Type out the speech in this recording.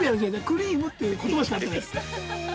クリームって言葉しか合ってないです。